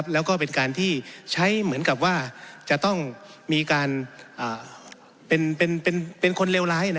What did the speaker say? แล้วก็เป็นการที่ใช้เหมือนกับว่าจะต้องมีการเป็นคนเลวร้าย